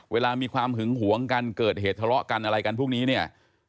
เวลามีความหึงหวงกันเกิดเหตุทะเลาะกันอะไรกันพวกนี้เนี่ย